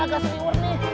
agak seriwer nih